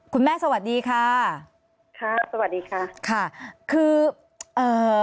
สวัสดีค่ะค่ะสวัสดีค่ะค่ะคือเอ่อ